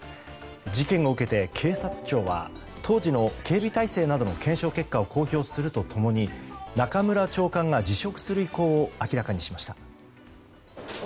事件を受けて、警察庁は当時の警備態勢などの検証結果を公表すると共に中村長官が辞職する意向を明らかにしました。